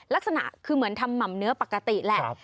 ลักษณะคือเหมือนทำหม่ำเนื้อปกติแหละ